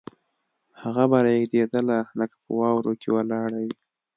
هغه به رېږدېدله لکه په واورو کې ولاړه وي